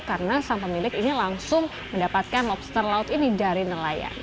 karena sang pemilik ini langsung mendapatkan lobster laut ini dari nelayan